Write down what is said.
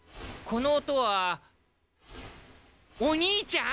この音はお兄ちゃん？